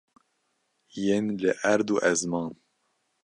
Yên li erd û li ezman.